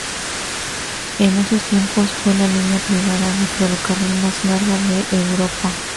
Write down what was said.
En esos tiempos fue la línea privada de ferrocarril más larga de Europa.